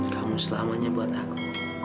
kamu selamanya buat aku